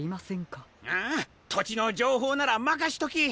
ああとちのじょうほうならまかしとき！